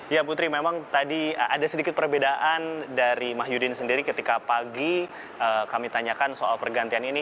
ya putri memang tadi ada sedikit perbedaan dari mahyudin sendiri ketika pagi kami tanyakan soal pergantian ini